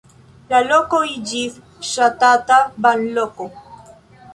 La loko iĝis ŝatata banloko.